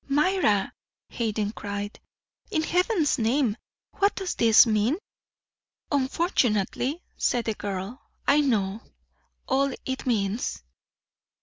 "Myra!" Hayden cried. "In heaven's name what does this mean?" "Unfortunately," said the girl, "I know all it means."